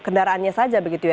kedaraannya saja begitu ya